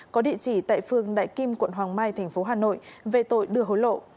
có địa chỉ tại phương đại kim quận hoàng mai tp hcm về tội đưa hối lộ